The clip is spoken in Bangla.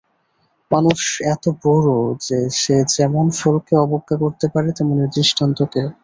মানুষ এত বড়ো যে সে যেমন ফলকে অবজ্ঞা করতে পারে তেমনি দৃষ্টান্তকেও।